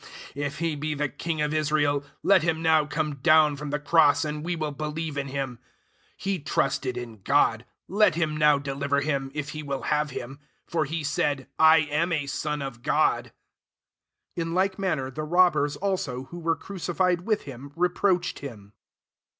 [If] he be the king of Israel, let him now come down from the cross, and we will believe in him* 43 He trusted in God ; lei bim now deliver him, if he will have him ; for he said, < I am a Son of God.'" 44 In like manner the robbers also, who were crucified with him, re proached him.